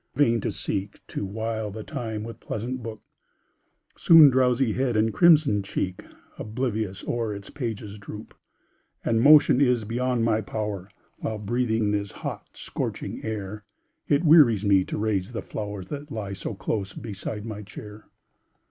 vain to seek To while the time with pleasant book, Soon drowsy head and crimsoned cheek Oblivious o'er its pages droop And motion is beyond my power, While breathing this hot, scorching air, It wearies me to raise the flowers, That lie so close beside my chair.